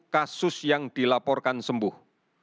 empat puluh kasus yang dilaporkan sembuh